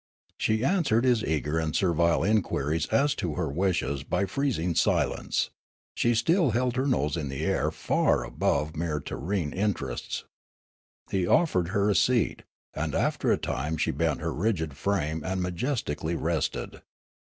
She an swered his eager and servile inquiries as to her wishes by freezing silence ; she still held her nose in the air far above mere terrene interests. He offered her a seat, and after a time she bent her rigid frame and majestically rested.